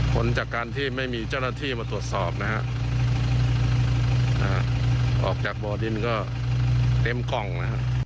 ผลจากการที่ไม่มีเจ้าหน้าที่มาตรวจสอบนะฮะออกจากบ่อดินก็เต็มกล้องนะฮะ